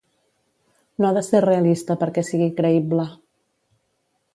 No ha de ser realista perquè sigui creïble.